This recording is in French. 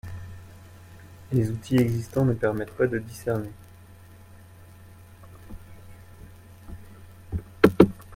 Les outils existants ne permettent pas de discerner.